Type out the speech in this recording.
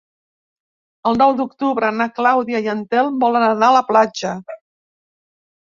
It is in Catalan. El nou d'octubre na Clàudia i en Telm volen anar a la platja.